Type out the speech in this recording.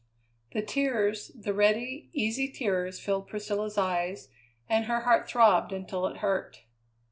The tears, the ready, easy tears filled Priscilla's eyes, and her heart throbbed until it hurt.